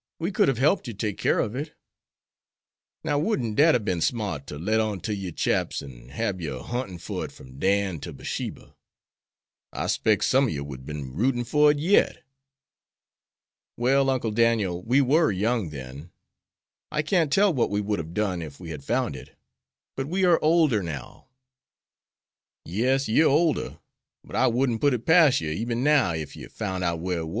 We could have helped you take care of it." "Now, wouldn't dat hab bin smart ter let on ter you chaps, an' hab you huntin' fer it from Dan ter Barsheba? I specs some ob you would bin a rootin' fer it yit!" "Well, Uncle Daniel, we were young then; I can't tell what we would have done if we had found it. But we are older now." "Yes, yer older, but I wouldn't put it pas' yer eben now, ef yer foun' out whar it war."